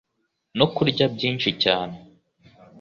no kurya byinshi cyane.